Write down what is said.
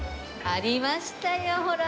ありましたよほら。